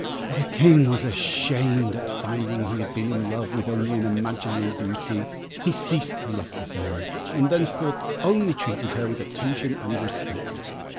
The King was ashamed at finding he had been in love with only an imaginary beauty; he ceased to love the Fairy, and thenceforth only treated her with attention and respect.